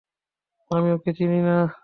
আমি ওকে চিনি না।